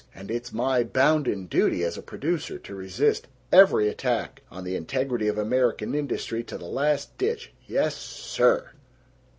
And it's my bounden duty as a producer to resist every attack on the integrity of American industry to the last ditch. Yes SIR!"